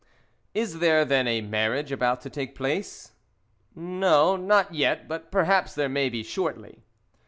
"Is there, then, a marriage about to take place?" "No, not yet; but perhaps there may be shortly."